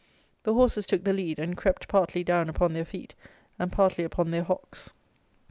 The horses took the lead, and crept partly down upon their feet and partly upon their hocks.